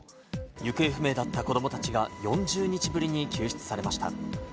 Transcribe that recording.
行方不明だった子供たちが４０日ぶりに救出されました。